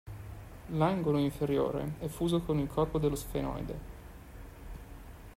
L"'angolo inferiore" è fuso con il corpo dello sfenoide.